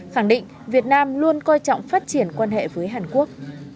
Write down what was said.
khẳng định việt nam luôn coi trọng phát triển quan hệ với hàn quốc